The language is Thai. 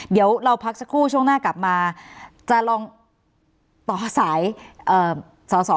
เดี๋ยวเราพักสักครู่ช่วงหน้ากลับมาจะลองต่อสายสอสอ